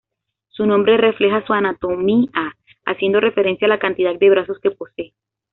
Su nombre refleja su anatomía, haciendo referencia a la cantidad de brazos que posee.